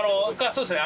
そうですね。